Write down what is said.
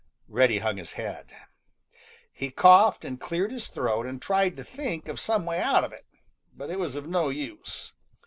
Reddy hung his head. He coughed and cleared his throat and tried to think of some way out of it. But it was of no use.